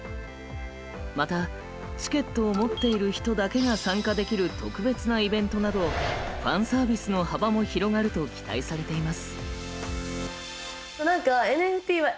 またチケットを持っている人だけが参加できる特別なイベントなどファンサービスの幅も広がると期待されています。